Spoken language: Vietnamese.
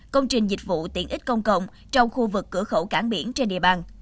công trình dịch vụ tiện ích công cộng trong khu vực cửa khẩu cảng biển trên địa bàn